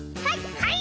はい！